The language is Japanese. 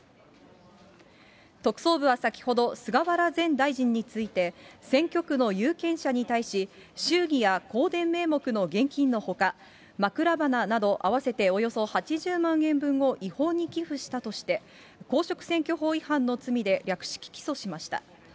特捜部は先ほど、菅原前大臣について、選挙区の有権者に対し、祝儀や香典名目の現金のほか、枕花など合わせておよそ８０万円分を違法に寄付したとして、公職選挙法違反の罪で略式起訴しました。